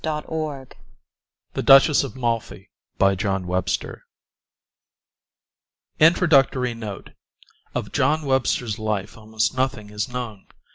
Young THE DUCHESS OF MALFI by John Webster INTRODUCTORY NOTE Of John Webster's life almost nothing is known.